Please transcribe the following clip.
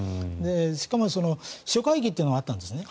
しかも、秘書会議というのがあったんですね。